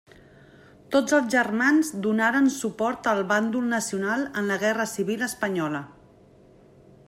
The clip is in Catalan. Tots els germans donaren suport al Bàndol nacional en la Guerra Civil espanyola.